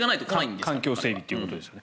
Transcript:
環境整備ということですね。